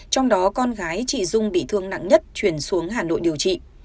trong đó con gái chị dung bị thương nặng nhất chuyển xuống hà nội điều trị